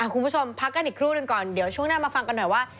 พักกันอีกครู่หนึ่งก่อนเดี๋ยวช่วงหน้ามาฟังกันหน่อยว่า